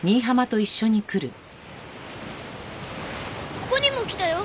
ここにも来たよ。